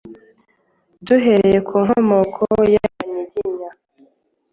Duhereye ku Nkomoko y'Abanyiginya,